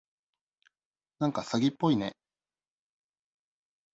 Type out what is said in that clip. なんか詐欺っぽいね。